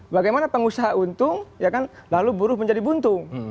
bagaimana pengusaha untung ya kan lalu buruh menjadi buntung